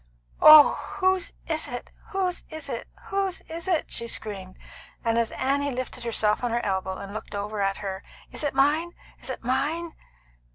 "Oh, whose is it? Whose is it? Whose is it?" she screamed; and as Annie lifted herself on her elbow, and looked over at her: "Is it mine? Is it mine?"